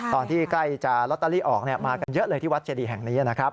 ใกล้จะลอตเตอรี่ออกมากันเยอะเลยที่วัดเจดีแห่งนี้นะครับ